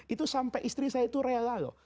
itu sampai istri saya itu rela loh